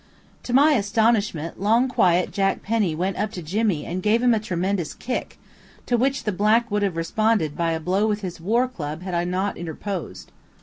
To my astonishment, long quiet Jack Penny went up to Jimmy and gave him a tremendous kick, to which the black would have responded by a blow with his war club had I not interposed.